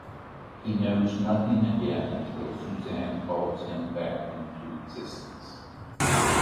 He knows nothing again until Suzanne calls him back into existence.